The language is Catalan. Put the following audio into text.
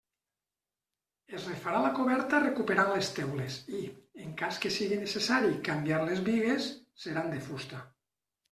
Es refarà la coberta recuperant les teules i, en cas que sigui necessari canviar les bigues, seran de fusta.